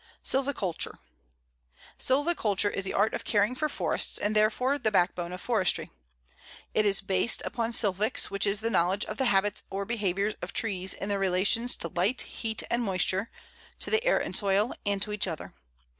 SILVICULTURE: Silviculture is the art of caring for forests, and therefore the backbone of forestry. It is based upon Silvics, which is the knowledge of the habits or behavior of trees in their relations to light, heat, and moisture, to the air and soil, and to each other.